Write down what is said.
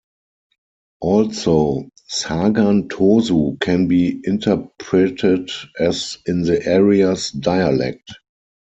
Also, "Sagan Tosu" can be interpreted as in the area's dialect.